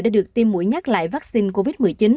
đã được tiêm mũi nhắc lại vaccine covid một mươi chín